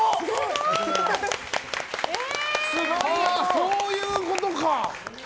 そういうことか！